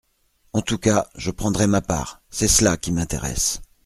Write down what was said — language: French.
En tout cas, je prendrai ma part, c’est cela qui m’intéresse.